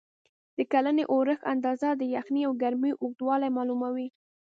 د کلني اورښت اندازه، د یخنۍ او ګرمۍ اوږدوالی معلوموي.